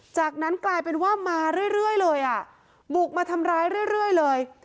จากนั้นกลายเป็นว่ามาเรื่อยเลยอ่ะบุกมาทำร้ายเรื่อยเลย